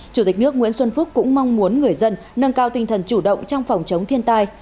chủ tịch nước nguyễn xuân phúc cũng mong muốn người dân nâng cao tinh thần chủ động trong phòng chống thiên tai